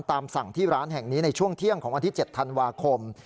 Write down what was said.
ตามสั่งที่ร้านแห่งนี้ในช่วงเที่ยงของวันที่๗ธันวาคม